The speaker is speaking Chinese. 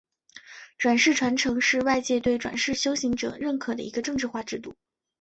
转世传承是外界对转世修行者认可的一个政治化制度。